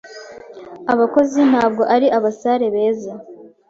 abakozi. Ntabwo ari abasare beza? ”